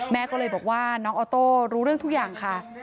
แม่ก็เลยบอกว่าน้องออโต้รู้เรื่องทุกอย่างค่ะ